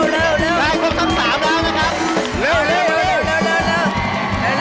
เร็วเร็วเข้าไปเรื่องนี้บอกละครับ